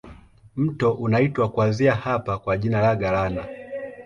Mto unaitwa kuanzia hapa kwa jina la Galana.